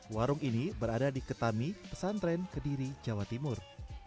warung ini berada di ketami pesantren kediri jawa timur